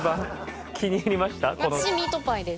私ミートパイです。